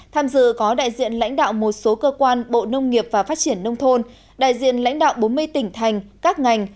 tham dự có đại diện lãnh đạo một số cơ quan bộ nông nghiệp và phát triển nông thôn đại diện lãnh đạo bốn mươi tỉnh thành các ngành